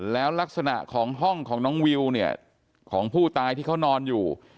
แล้วลักษณะของห้องของน้องวิวเนี่ยของผู้ตายที่เขานอนอยู่